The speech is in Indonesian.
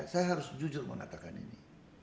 saya harus jujur mengatakan ini